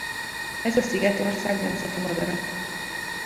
Ez a szigetország nemzeti madara.